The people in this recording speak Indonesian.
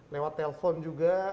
lewat telepon juga